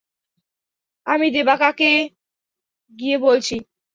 আমি দেবা কাকাকে গিয়ে বলছি।